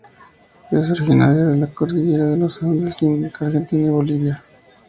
Es originaria de la Cordillera de los Andes en Argentina y Bolivia.